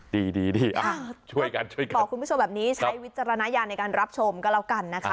ดีช่วยกันขอบคุณผู้ชมแบบนี้ใช้วิจารณญาในการรับชมกันแล้วกันนะคะ